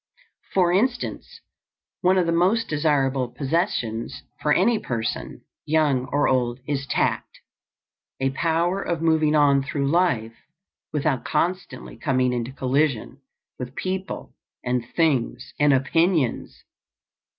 For instance, one of the most desirable possessions for any person, young or old, is tact a power of moving on through life without constantly coming into collision with people and things and opinions.